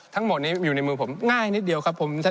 ทั้งหมดนี้อยู่ในมือผมง่ายนิดเดียวครับผม